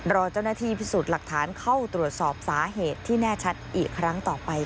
รอเจ้าหน้าที่พิสูจน์หลักฐานเข้าตรวจสอบสาเหตุที่แน่ชัดอีกครั้งต่อไปค่ะ